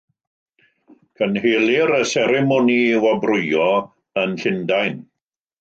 Cynhelir y seremoni wobrwyo yn Llundain.